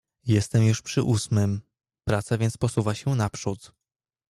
"Jestem już przy ósmym, praca więc posuwa się naprzód."